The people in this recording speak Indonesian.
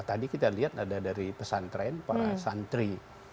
tadi kita lihat ada dari pesantren para santri